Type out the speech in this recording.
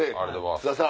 津田さん！